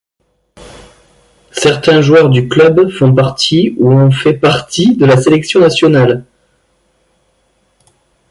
Certains joueurs du club font partie ou ont fait partie de la sélection nationale.